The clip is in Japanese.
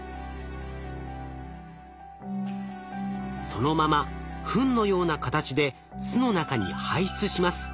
そのままふんのような形で巣の中に排出します。